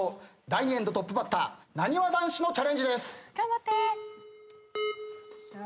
第２エンドトップバッターなにわ男子のチャレンジです。